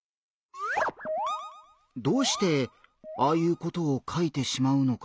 どうしてああいうことを書いてしまうのかな？